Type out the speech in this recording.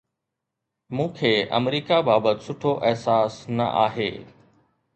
مون کي آمريڪا بابت سٺو احساس نه آهي.